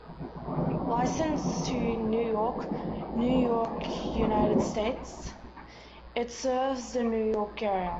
Licensed to New York, New York, United States, it serves the New York area.